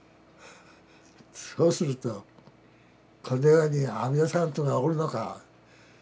そうするとこの世に阿弥陀さんというのがおるのか。